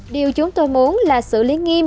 điều chúng tôi muốn là xử lý nghiêm